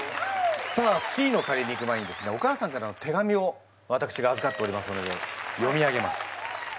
さあＣのカレーにいく前にですねお母さんからの手紙をわたくしがあずかっておりますので読み上げます。